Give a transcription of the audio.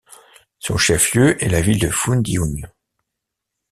Son chef-lieu est la ville de Foundiougne.